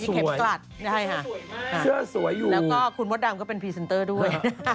เสื้อสวยแล้วก็คุณมดดำก็เป็นพรีเซนเตอร์ด้วย